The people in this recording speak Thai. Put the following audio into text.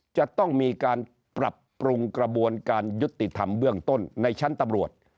จะต้องมีการปรับปรุงกระบวนการยุติธรรมเบื้องต้นในชั้นตำรวจ